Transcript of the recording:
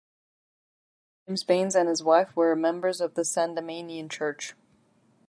Both James Baynes and his wife were a members of the Sandemanian Church.